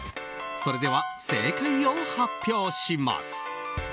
それでは正解を発表します。